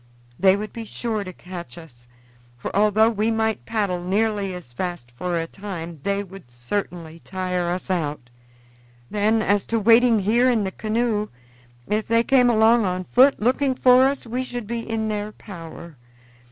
They would be sure to catch us, for although we might paddle nearly as fast for a time, they would certainly tire us out. Then, as to waiting here in the canoe, if they came along on foot looking for us we should be in their power.